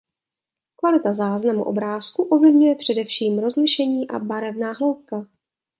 Kvalitu záznamu obrázku ovlivňuje především rozlišení a barevná hloubka.